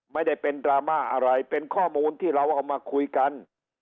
ไม่ได้เป็นดราม่าอะไรเป็นข้อมูลที่เราเอามาคุยกัน